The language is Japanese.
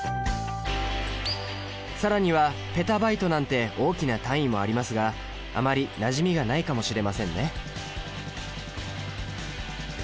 更にはペタバイトなんて大きな単位もありますがあまりなじみがないかもしれませんね